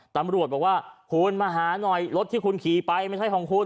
ตำรวจบอกว่าคุณมาหาหน่อยรถที่คุณขี่ไปไม่ใช่ของคุณ